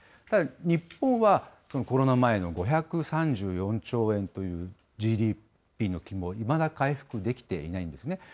ただ日本は、コロナ前の５３４兆円という、ＧＤＰの規模、いまだ回復できていないんですね。